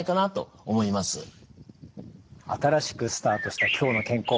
新しくスタートした「きょうの健康」。